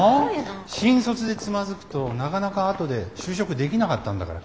新卒でつまずくとなかなか後で就職できなかったんだから。